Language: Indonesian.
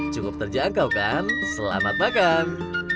cukup terjangkau kan selamat makan